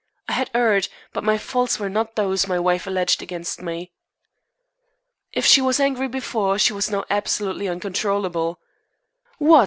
I had erred, but my faults were not those my wife alleged against me. If she was angry before she was now absolutely uncontrollable. "What?"